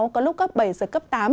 có lúc cấp bảy giờ cấp tám